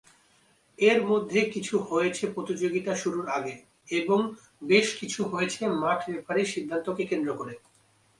এর মধ্যে কিছু হয়েছে প্রতিযোগিতা শুরুর আগে, এবং বেশ কিছু হয়েছে মাঠ রেফারির সিদ্ধান্তকে কেন্দ্র করে।